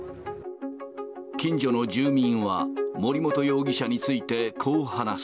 近所の住民は、森本容疑者について、こう話す。